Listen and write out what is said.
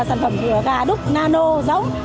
sản phẩm gà đúc nano giống